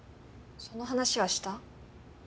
その話はした？